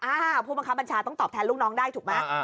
ผู้บังคับบัญชาต้องตอบแทนลูกน้องได้ถูกไหม